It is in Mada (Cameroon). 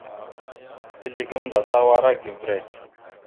Izle gamnda Tawara givirek a.